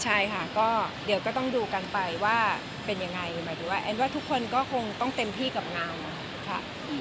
ใช่ค่ะก็เดี๋ยวก็ต้องดูกันไปว่าเป็นยังไงหมายถึงว่าแอนว่าทุกคนก็คงต้องเต็มที่กับงานค่ะ